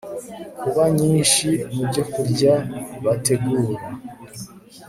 kuba nyinshi mu byokurya bategura